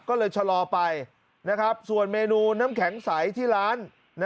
ก็เลยชะลอไปส่วนเมนูน้ำแข็งใสที่ร้าน